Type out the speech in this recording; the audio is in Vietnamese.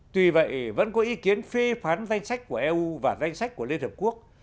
tuy vậy vẫn có ý kiến phê phán danh sách của eu và danh sách của liên hợp quốc